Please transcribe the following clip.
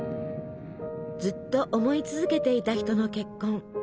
ずっと思い続けていた人の結婚。